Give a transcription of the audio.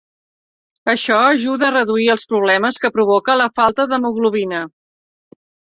Això ajuda a reduir els problemes que provoca la falta d'hemoglobina.